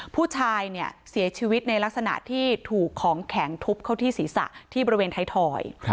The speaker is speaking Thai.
ผู้ชายเนี่ยเสียชีวิตในลักษณะที่ถูกของแข็งทุบเข้าที่ศีรษะที่บริเวณไทยทอย